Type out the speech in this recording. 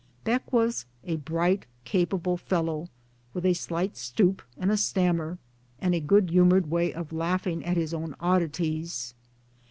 Beck was a bright, capable fellow, with a slight stoop, and a stammer, and a good humoured way of laughing at his own oddities.